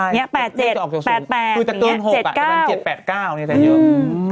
เนี่ย๘๗๘๘เนี่ย๗๙